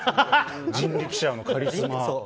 人力舎のカリスマ。